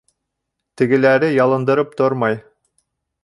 Тегеләре ялындырып тормай.